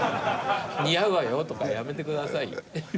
「似合うわよ」とかやめてください。